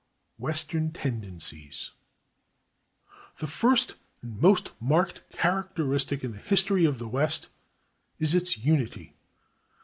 Western Tendencies. The first and most marked characteristic in the history of the West is its unity.